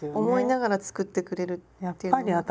思いながら作ってくれるっていうのが。